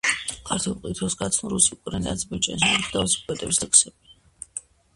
ქართველ მკითხველს გააცნო რუსი, უკრაინელი, აზერბაიჯანელი, სომეხი და ოსი პოეტების ლექსები.